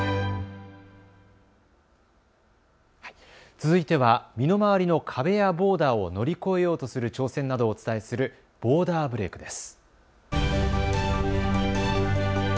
続いては身の回りの壁やボーダーを乗り越えようとする挑戦などをお伝えするボーダーブレイクです。